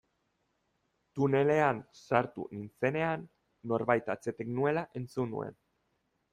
Tunelean sartu nintzenean norbait atzetik nuela entzun nuen.